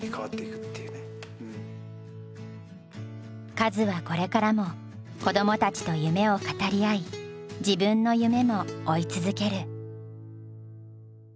カズはこれからも子供たちと夢を語り合い自分の夢も追い続ける。